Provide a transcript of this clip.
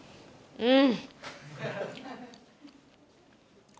うん！